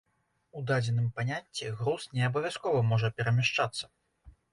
У дадзеным паняцці груз не абавязкова можа перамяшчацца.